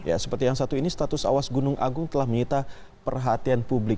ya seperti yang satu ini status awas gunung agung telah menyita perhatian publik